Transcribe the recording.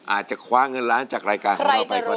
อาจจะคว้าเงินล้านจากรายการของเราไปก็